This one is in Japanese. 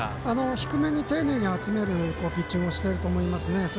低めに丁寧に集めるピッチングをしていると思います。